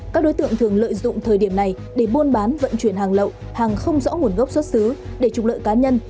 các đối tượng thường lợi dụng thời điểm này để buôn bán vận chuyển hàng lậu hàng không rõ nguồn gốc xuất xứ để trục lợi cá nhân